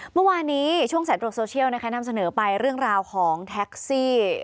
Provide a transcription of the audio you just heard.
เมื่อวานี้ช่วงสายตรวจโซเชียลนะคะนำเสนอไปเรื่องราวของแท็กซี่